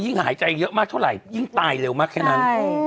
หายใจเยอะมากเท่าไหร่ยิ่งตายเร็วมากแค่นั้น